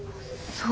そう。